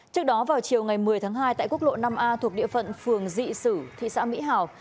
trước đó vào chiều ngày một mươi tháng hai tại quốc lộ năm a thuộc địa phận phường dị sử thị xã mỹ hảo